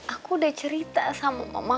aku udah cerita sama mama